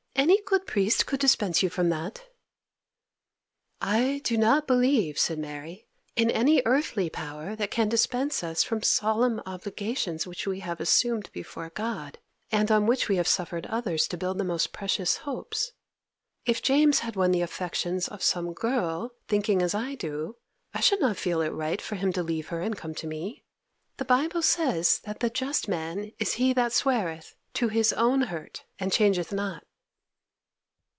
Any good priest could dispense you from that.' 'I do not believe,' said Mary, 'in any earthly power that can dispense us from solemn obligations which we have assumed before God, and on which we have suffered others to build the most precious hopes. If James had won the affections of some girl, thinking as I do, I should not feel it right for him to leave her and come to me. The Bible says that the just man is he that sweareth to his own hurt and changeth not.